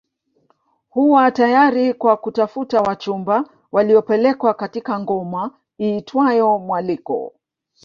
Huwa tayari kwa kutafuta wachumba waliopelekwa katika ngoma iitwayo mwaliko